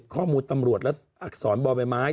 ข้อมูลตำรวจและอักษรบ่อใบไม้